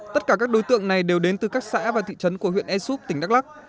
tất cả các đối tượng này đều đến từ các xã và thị trấn của huyện e súp tỉnh đắk lắc